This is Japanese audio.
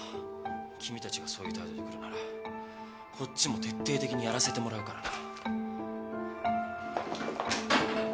君たちがそういう態度でくるならこっちも徹底的にやらせてもらうからな。